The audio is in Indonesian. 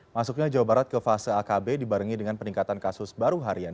masuknya jawa barat ke fase akb dibarengi dengan peningkatan kasus baru harian